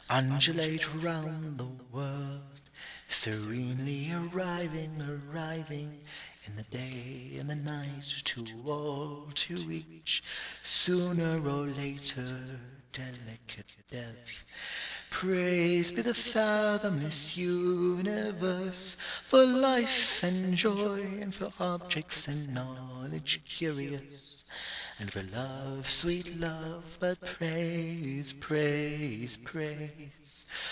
Undulate round the world, serenely arriving, arriving, In the, day, in the night, to all, to each, Sooner or later, delicate death_. _Praised be the fathomless universe, For life and joy, and for objects and knowledge curious, And for love, sweet love but praise! praise! praise!